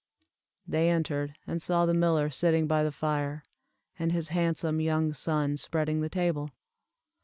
They entered, and saw the miller sitting by the fire, and his handsome young son spreading the table.